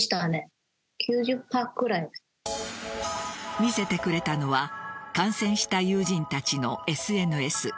見せてくれたのは感染した友人たちのＳＮＳ。